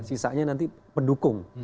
sisanya nanti pendukung